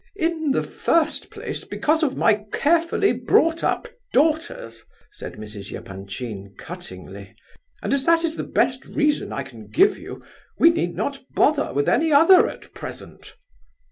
"In the first place, because of my carefully brought up daughters," said Mrs. Epanchin, cuttingly; "and as that is the best reason I can give you we need not bother about any other at present.